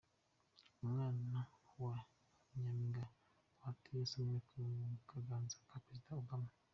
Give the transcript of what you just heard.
Umwana wa Nyaminga Bahati yasomwe ku gahanga na Perezida Obama